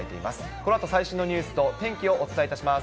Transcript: このあと最新のニュースと天気をお伝えいたします。